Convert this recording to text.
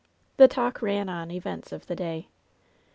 The talk ran on events of the day.